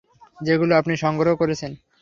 যেগুলো আপনি সংগ্রহ করেছেন।